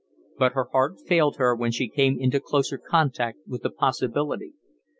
But her heart failed her when she came into closer contact with the possibility.